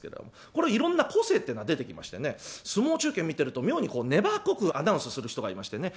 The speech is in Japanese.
これいろんな個性っていうのが出てきましてね相撲中継見てると妙に粘っこくアナウンスする人がいましてね。